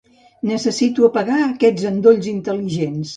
Necessito apagar aquests endolls intel·ligents.